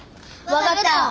分かった！